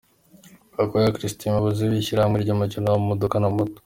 Gakwaya Christian Umuyobozi w’Ishyirahamwe ry’imikino y’amamodoka na moto.